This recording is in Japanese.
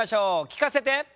聞かせて。